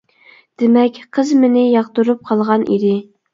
دېمەك، قىز مېنى ياقتۇرۇپ قالغان ئىدى.